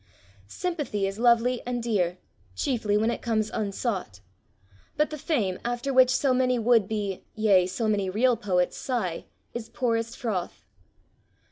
Sympathy is lovely and dear chiefly when it comes unsought; but the fame after which so many would be, yea, so many real poets sigh, is poorest froth.